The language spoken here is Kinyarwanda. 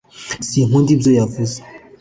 sinkunda ibyo yavuze